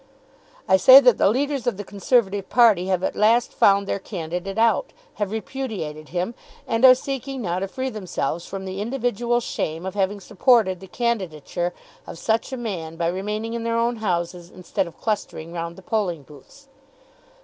I say that the leaders of the Conservative party have at last found their candidate out, have repudiated him; and are seeking now to free themselves from the individual shame of having supported the candidature of such a man by remaining in their own houses instead of clustering round the polling booths.